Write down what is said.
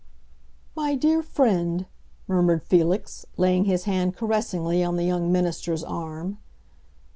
"My dear friend!" murmured Felix, laying his hand caressingly on the young minister's arm.